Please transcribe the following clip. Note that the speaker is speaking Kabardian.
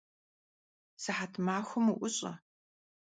Sıhet maxuem vu'uş'e!